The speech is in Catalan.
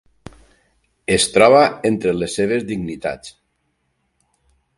Es troba entre les seves dignitats.